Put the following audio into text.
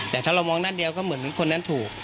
แต่ถ้าเรามองด้านเดียวก็เหมือนคนนั้นถูก